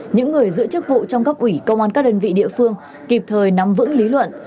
những người giữ chức vụ trong cấp ủy công an các đơn vị địa phương kịp thời nắm vững lý luận